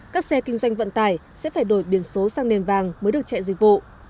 các xe kinh doanh vận tải sẽ phải đổi biển số sang nền vàng mới được chạy dịch vụ